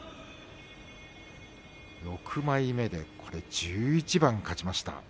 ６枚目で１１番勝ちました。